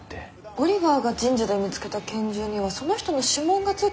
オリバーが神社で見つけた拳銃にはその人の指紋がついてたんでしょ？